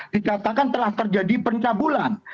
dikatakan telah terjadi pencabulan